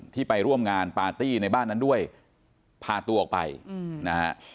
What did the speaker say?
ไปร่วมงานปาร์ตี้ในบ้านนั้นด้วยพาตัวออกไปนะฮะ